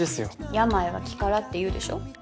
病は気からって言うでしょ。